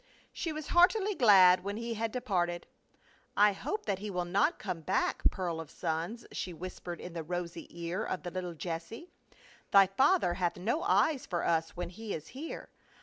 She was heartily glad when he had departed. " I hope that he will not come back, pearl of sons," she whispered in the rosy ear of the little Jesse, " Thy father hath no eyes for us when he is here.